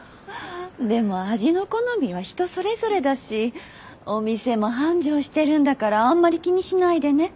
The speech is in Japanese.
でも味の好みは人それぞれだしお店も繁盛してるんだからあんまり気にしないでね。